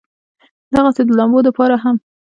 دغسې د لامبلو د پاره هم